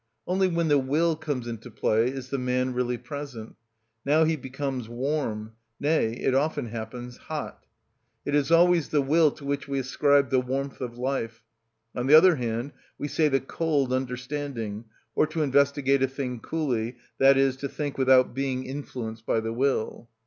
Only when the will comes into play is the man really present: now he becomes warm, nay, it often happens, hot. It is always the will to which we ascribe the warmth of life; on the other hand, we say the cold understanding, or to investigate a thing coolly, i.e., to think without being influenced by the will.